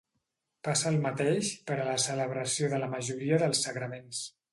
Passa el mateix per a la celebració de la majoria dels sagraments.